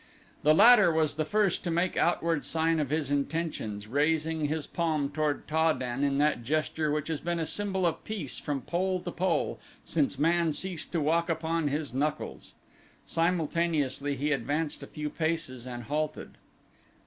The latter was the first to make outward sign of his intentions, raising his palm toward Ta den in that gesture which has been a symbol of peace from pole to pole since man ceased to walk upon his knuckles. Simultaneously he advanced a few paces and halted.